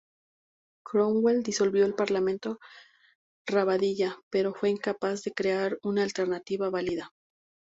Cromwell disolvió el Parlamento Rabadilla, pero fue incapaz de crear una alternativa válida.